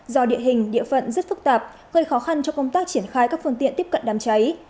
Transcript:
do địa hình địa phận rất phức tạp gây khó khăn cho công tác triển khai các phương tiện tiếp cận đám cháy